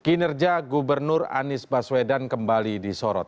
kinerja gubernur anies baswedan kembali disorot